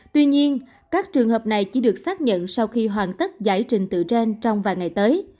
tuy nhiên các trường hợp này chỉ được xác nhận sau khi hoàn tất giải trình tự trên trong vài ngày tới